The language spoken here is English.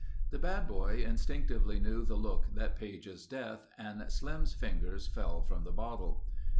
The bad boy instinctively knew the look that pages death and Slim's fingers fell from the bottle.